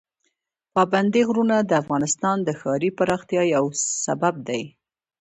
پابندي غرونه د افغانستان د ښاري پراختیا یو سبب دی.